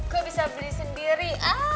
gue bisa beli sendiri